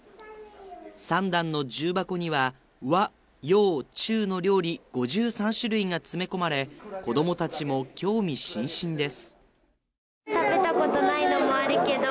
３段の重箱には和洋中の料理５３種類が詰め込まれ子供たちも興味津々です。